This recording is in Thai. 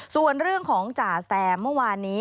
ส่วนเรื่องของจ่าแซมเมื่อวานนี้